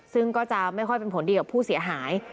ซึ่งก็จะไม่ค่อยเป็นผลดีกับผู้เสียหาย